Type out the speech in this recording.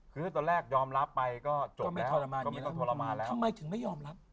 คือตอนแรกยอมรับไปก็จบแล้วก็ไม่ทรมานทำไมถึงไม่ยอมรับ